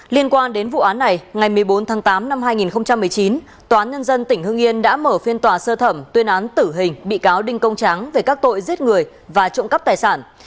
liên quan đến vụ án này ngày một mươi bốn tháng tám năm hai nghìn một mươi chín tòa án nhân dân tỉnh hưng yên đã mở phiên tòa sơ thẩm tuyên án tử hình bị cáo đinh công tráng về các tội giết người và trộm cắp tài sản